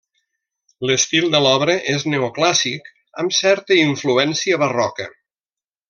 L'estil de l'obra és neoclàssic amb certa influència barroca.